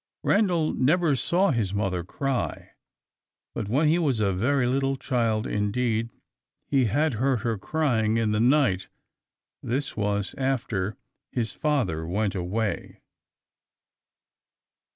Randal never saw his mother cry; but when he was a very little child indeed, he had heard her crying in the night: this was after his father went away.